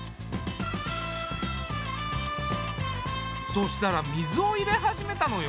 そしたら水を入れ始めたのよ。